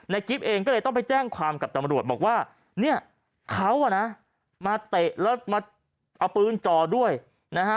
กิ๊บเองก็เลยต้องไปแจ้งความกับตำรวจบอกว่าเนี่ยเขาอ่ะนะมาเตะแล้วมาเอาปืนจ่อด้วยนะฮะ